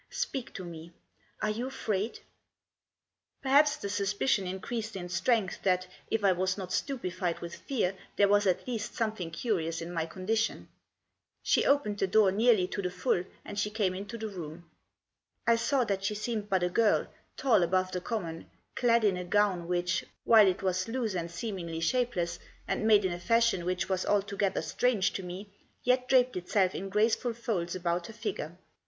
Speak to me. Are you afraid ?" Perhaps the suspicion increased in strength that, if I was not stupefied with fear, there was at least some thing curious in my condition. She opened the door Digitized by 120 THE JOSS. nearly to the full, and she came into the room. I saw that she seemed but a girl, tall above the common, clad in a gown which, while it was loose and seemingly shapeless, and made in a fashion which was altogether strange to me, yet draped itself in graceful folds about her figure.